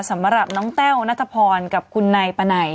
สำหรับน้องแต้วนัทพรกับคุณนายปะไหน